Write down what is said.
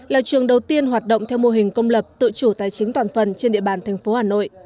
là trường đầu tiên hoạt động theo mô hình công lập tự chủ tài chính toàn phần trên địa bàn thành phố hà nội